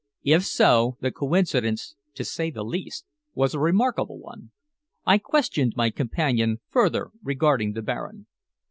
If so, the coincidence, to say the least, was a remarkable one. I questioned my companion further regarding the Baron.